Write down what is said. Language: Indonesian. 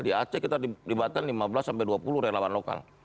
di aceh kita libatkan lima belas dua puluh relawan lokal